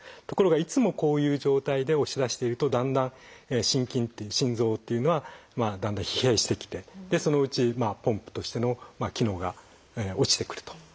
ところがいつもこういう状態で押し出しているとだんだん心筋って心臓っていうのはだんだん疲弊してきてでそのうちポンプとしての機能が落ちてくると。